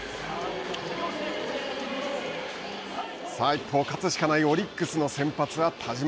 一方勝つしかないオリックスの先発は田嶋。